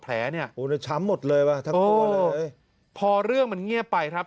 แผลเนี่ยโอ้แล้วช้ำหมดเลยว่ะทั้งตัวเลยพอเรื่องมันเงียบไปครับ